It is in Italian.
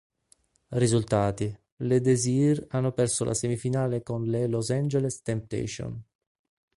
Risultati: Le Desire hanno perso la semifinale con le Los Angeles Temptation.